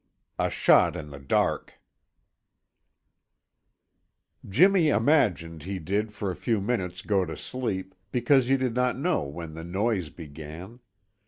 XIV A SHOT IN THE DARK Jimmy imagined he did for a few minutes go to sleep, because he did not know when the noise began.